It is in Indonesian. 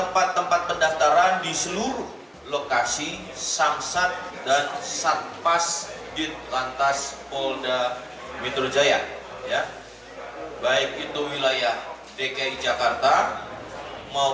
pendaftaran sudah bisa dibuka sejak dua puluh sembilan maret yang lalu